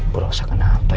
tidak usah kenapa ya